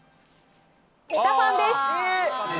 ピタファンです。